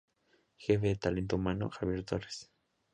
Jefe de Talento humano:Javier Torres.